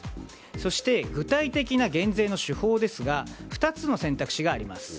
そして、具体的な減税の手法ですが２つの選択肢があります。